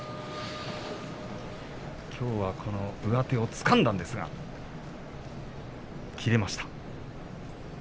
きょうは上手をつかんだんですが切れました。